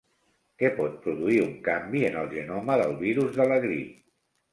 Què pot produir un canvi en el genoma del virus de la grip?